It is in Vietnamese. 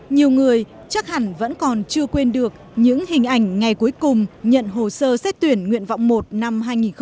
nhiều người chắc hẳn vẫn còn chưa quên được những hình ảnh ngày cuối cùng nhận hồ sơ xét tuyển nguyện vọng một năm hai nghìn hai mươi